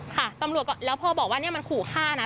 ค่ะตำรวจก็แล้วพ่อบอกว่าเนี่ยมันขู่ฆ่านะ